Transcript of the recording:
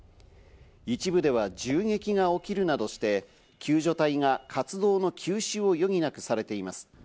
一部では銃撃が起きるなどして、救助隊が活動の休止を余儀なくされています。